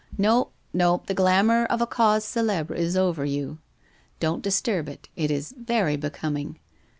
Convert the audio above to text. No, no, the glamour of a cause celebre is over you — don't disturb it, it is very becoming.